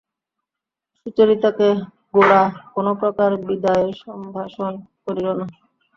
সুচরিতাকে গোরা কোনোপ্রকার বিদায়সম্ভাষণ করিল না।